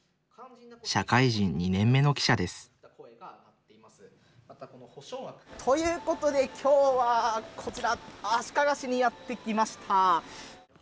社会人２年目の記者ですということで今日はこちら足利市にやって来ました！